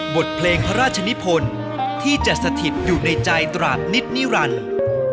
บทเพลงพระราชนิพลที่จะสถิตอยู่ในใจตราดนิดนิรันดิ์